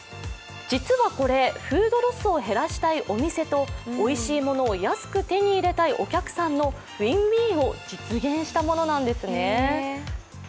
実はこれ、フードロスを減らしたいお店とおいしいものを安く手に入れたいお客のＷｉｎ−Ｗｉｎを実現したものなんですね。